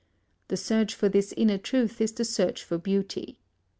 The search for this inner truth is the search for beauty.